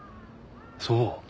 そう。